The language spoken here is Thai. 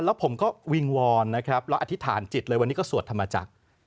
แล้วผมก็วิงวอนนะครับแล้วอธิษฐานจิตเลยวันนี้ก็สวดธรรมจักร